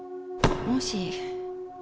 もし。